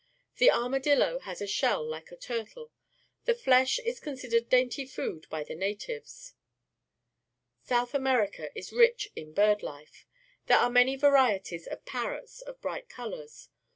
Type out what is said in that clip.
The armadillo has a shell like a turtle. The flesh is considered dainty food by the natives. South America is rich in bird life. There are many varieties of parrots of bright colours.